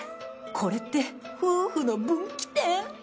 これって、夫婦の分岐点？